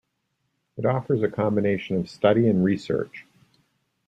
It offers a combination of study and research.